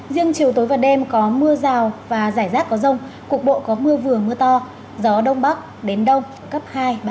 riêng chiều tối và đêm có mưa rào và rải rác có rông cục bộ có mưa vừa mưa to gió đông bắc đến đông cấp hai ba